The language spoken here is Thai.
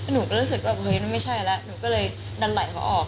หนูก็รู้สึกว่าเฮ้ยมันไม่ใช่แล้วหนูก็เลยดันไหล่เขาออก